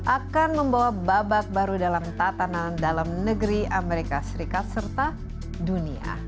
akan membawa babak baru dalam tatanan dalam negeri amerika serikat serta dunia